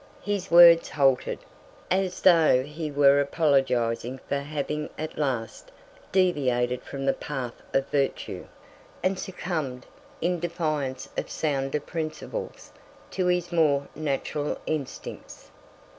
His words halted, as though he were apologizing for having at last deviated from the path of virtue, and succumbed, in defiance of sounder principles, to his more natural instincts.